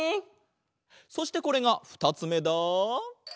そしてこれがふたつめだ。